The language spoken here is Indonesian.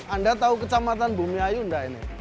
anda tahu kecamatan bumi ayu tidak ini